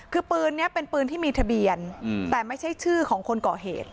คือปืนนี้เป็นปืนที่มีทะเบียนแต่ไม่ใช่ชื่อของคนก่อเหตุ